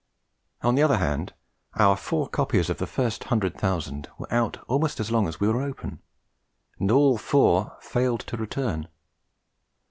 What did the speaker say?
On the other hand, our four copies of The First Hundred Thousand were out almost as long as we were open, and all four 'failed to return.'